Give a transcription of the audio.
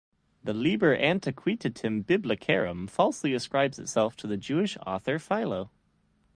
The "Liber Antiquitatum Biblicarum" falsely ascribes itself to the Jewish author Philo.